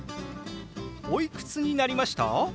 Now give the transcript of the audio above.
おいくつになりました？